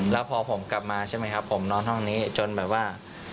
แล้วพอผมกลับมาใช่ไหมครับผมนอนห้องนี้จนแบบว่า